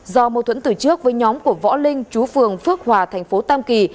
do mâu thuẫn từ trước với nhóm của võ linh chú phường phước hòa thành phố tam kỳ